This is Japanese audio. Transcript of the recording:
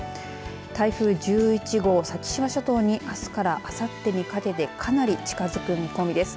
台風１１号、先島諸島にあすからあさってにかけてかなり近づく見込みです。